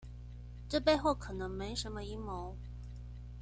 這背後可能沒什麼陰謀